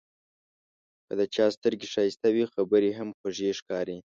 که د چا سترګې ښایسته وي، خبرې یې هم خوږې ښکاري.